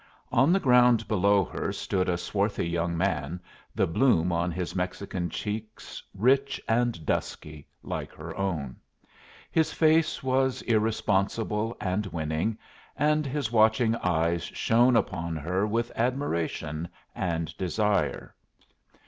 On the ground below her stood a swarthy young man, the bloom on his Mexican cheeks rich and dusky, like her own. His face was irresponsible and winning, and his watching eyes shone upon her with admiration and desire.